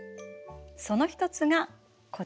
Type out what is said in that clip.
その一つがこちら。